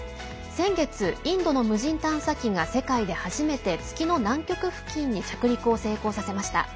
先月、インドの無人探査機が世界で初めて月の南極付近に着陸を成功させました。